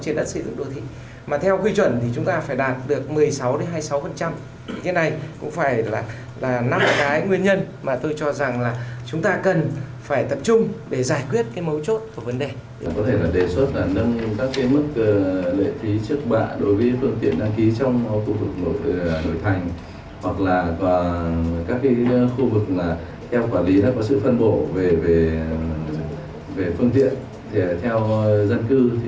hoặc là các khu vực theo quản lý có sự phân bộ về phương tiện theo dân cư hay là các giải pháp để làm sao hạn chế phương tiện giao thông cá nhân